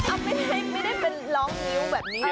ไม่ได้เป็นร้องงิ้วแบบนี้